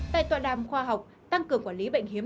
tại tọa đàm khoa học tăng cường quản lý bệnh hiếm